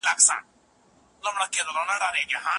موږ د کلي په لاره کې ورک شوو.